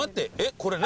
これ何？